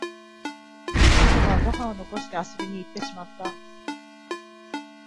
ネコがご飯を残して遊びに行ってしまった